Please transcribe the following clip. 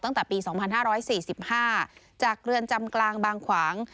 ตั้งแต่ปี๒๕๔๕จากเรือนจำกลางบางขวาง